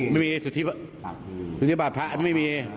ไม่มีไม่มีสุธิบัติพระไม่มี